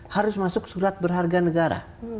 harus masuk surat berharga negara